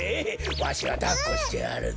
わしがだっこしてやるぞ！